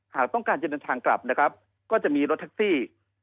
หากต้องการจะเดินทางกลับนะครับก็จะมีรถแท็กซี่